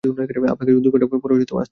আপনাকে না দুই ঘণ্টা পর আসতে বললাম!